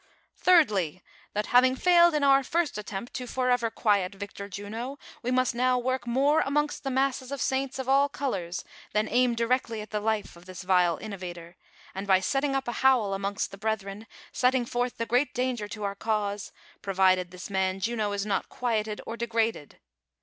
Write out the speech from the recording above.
'■'■Thirdly^ that, having failed in our first attempt to for ever quiet Victor Juno, we must now work more amongst the masses of saints of all colors, than aim directly at the life of this vile innovator ; and by setting up a howl amongst the brethren, setting forth the great danger to our cause, provided this man Juno is not quieted or de graded.